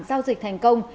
giao dịch thành công